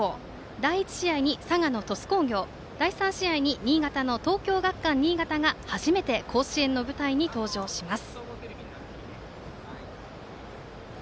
第１試合に佐賀の鳥栖工業第３試合に新潟の東京学館新潟が初めて甲子園の舞台に登場します。